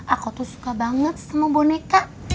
aku tuh suka banget sama boneka